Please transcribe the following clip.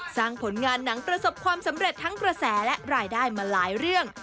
ผลงานหนังประสบความสำเร็จทั้งกระแสและรายได้มาหลายเรื่อง